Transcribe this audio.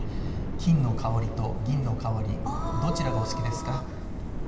きんの香りとぎんの香り、どちらがお好きですか？